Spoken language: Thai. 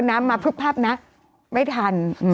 กรมป้องกันแล้วก็บรรเทาสาธารณภัยนะคะ